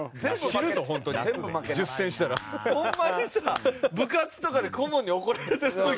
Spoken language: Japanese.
ホンマにさ部活とかで顧問に怒られてる時の。